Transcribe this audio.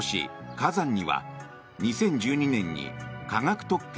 カザンには２０１２年に科学特区